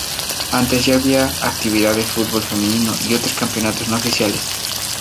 Antes ya había actividad de fútbol femenino y otros campeonatos no oficiales.